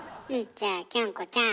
じゃあきょんこちゃん